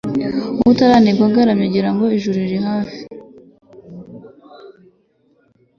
Utaranigwa agaramye agira ngo ijuru riri hafi